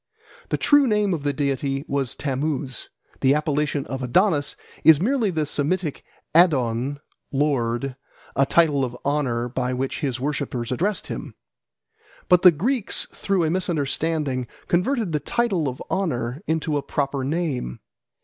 The true name of the deity was Tammuz: the appellation of Adonis is merely the Semitic Adon, "lord," a title of honour by which his worshippers addressed him. But the Greeks through a misunderstanding converted the title of honour into a proper name.